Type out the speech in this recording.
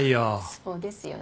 そうですよね。